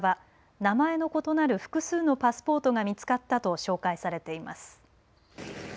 名前の異なる複数のパスポートが見つかったと紹介されています。